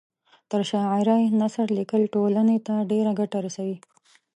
تر شاعرۍ نثر لیکل ټولنۍ ته ډېره ګټه رسوي